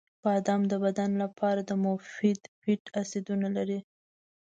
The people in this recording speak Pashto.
• بادام د بدن لپاره د مفید فیټ اسیدونه لري.